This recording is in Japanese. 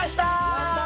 やった！